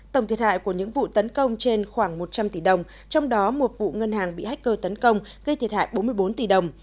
tổng thiệt hại của những vụ tấn công trên khoảng một trăm linh tỷ đồng trong đó một vụ ngân hàng bị hacker tấn công gây thiệt hại bốn mươi bốn tỷ đồng